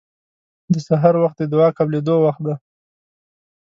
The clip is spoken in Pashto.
د سحر وخت د دعا قبلېدو وخت دی.